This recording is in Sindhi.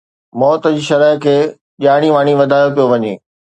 موت جي شرح کي ڄاڻي واڻي وڌايو پيو وڃي